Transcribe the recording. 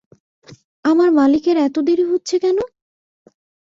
আমার মালিকের এত দেরি হচ্ছে কেন?